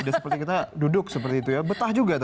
tidak seperti kita duduk seperti itu ya betah juga